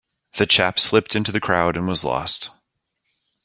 The chap slipped into the crowd and was lost.